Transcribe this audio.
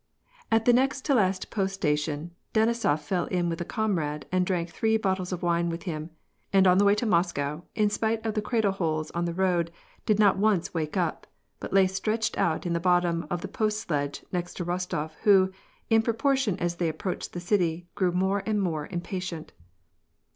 At the next to the last post station, Denisof fell in with a comrade, and drank three bot tles of wine with him ; and on the way to Moscow, in spite of the cradle holes on the road, did not once wake up, but lay stretched out in the bottom of the post sledge, next Kostof, who, in proportion as they approached the city, grew more ' and more impatient.